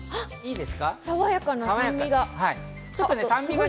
さわやかな酸味が。